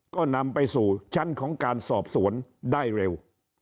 ก็นำไปสู่ชั้นของการสอบสวนได้เร็ว